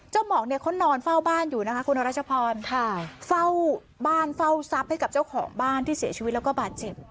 หมองเนี่ยเขานอนเฝ้าบ้านอยู่นะคะคุณรัชพรเฝ้าบ้านเฝ้าทรัพย์ให้กับเจ้าของบ้านที่เสียชีวิตแล้วก็บาดเจ็บ